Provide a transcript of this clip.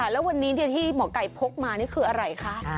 แล้ววันนี้ที่หมอไก่พกมานี่คืออะไรคะ